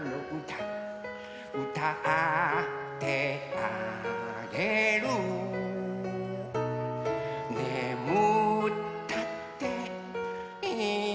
「うたってあげる」「ねむったっていいんだよ」